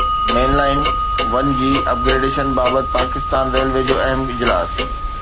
مين line one جي upgradation بابت Pakistan railway جو اهم اجلاس